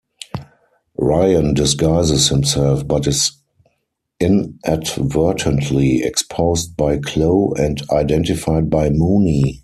Ryan disguises himself, but is inadvertently exposed by Chloe and identified by Mooney.